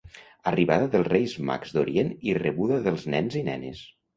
Arribada dels Reis Mags d'Orient i rebuda dels nens i nenes.